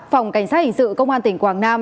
phòng cảnh sát hình sự công an tỉnh quảng nam